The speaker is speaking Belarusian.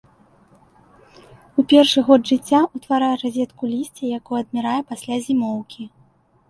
У першы год жыцця ўтварае разетку лісця, якое адмірае пасля зімоўкі.